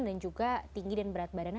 dan juga tinggi dan berat badannya